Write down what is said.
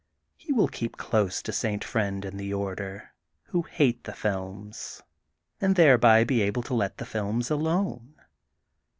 He will keep close to St. Friend and the order, who hate the films, and thereby be able to let the films alone.